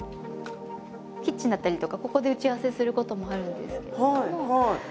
キッチンだったりとかここで打ち合わせすることもあるんですけども。